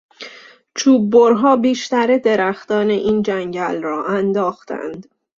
چوب برها بیشتر درختان این جنگل را انداختند.